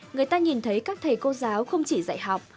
người ta nhìn thấy các thầy cô giáo không chỉ dạy học